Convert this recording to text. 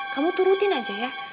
kamu turutin aja ya